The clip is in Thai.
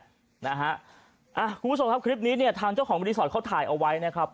คุณผู้ชมครับคลิปนี้เนี่ยทางเจ้าของรีสอร์ทเขาถ่ายเอาไว้นะครับ